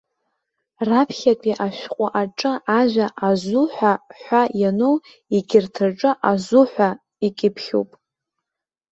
Раԥхьатәи ашәҟәы аҿы ажәа азу ҳәа ҳәа иану, егьырҭ рҿы азуҳәа ҳәа икьыԥхьуп.